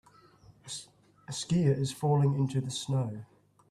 A skier is falling into the snow.